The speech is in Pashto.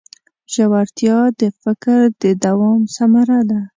ژورتیا د فکر د دوام ثمره ده.